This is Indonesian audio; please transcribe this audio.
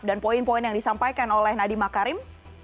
dan poin poin yang disampaikan oleh nadiem makarim